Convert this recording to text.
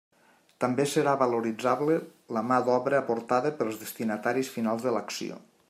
També serà valoritzable la mà d'obra aportada pels destinataris finals de l'acció.